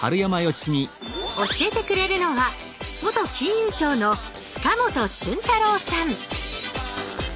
教えてくれるのは元金融庁の塚本俊太郎さん。